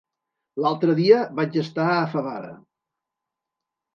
L'altre dia vaig estar a Favara.